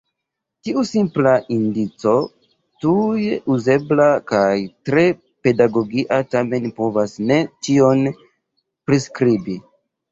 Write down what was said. Tiu simpla indico, tuj uzebla kaj tre pedagogia tamen povas ne ĉion priskribi.